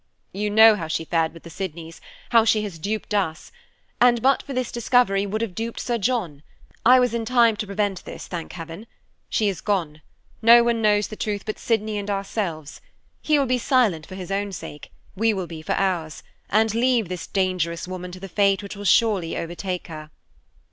You know how she fared with the Sydneys, how she has duped us, and but for this discovery would have duped Sir John. I was in time to prevent this, thank heaven. She is gone; no one knows the truth but Sydney and ourselves; he will be silent, for his own sake; we will be for ours, and leave this dangerous woman to the fate which will surely overtake her."